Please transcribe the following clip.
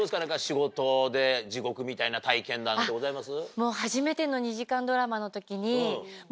仕事で地獄みたいな体験談ってございます？の時に。